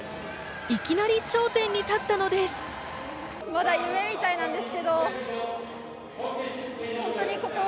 いきなり頂点に立ったのです。